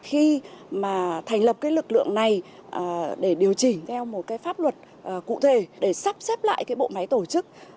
khi mà thành lập cái lực lượng này để điều chỉnh theo một cái pháp luật cụ thể để sắp xếp lại cái bộ máy tổ chức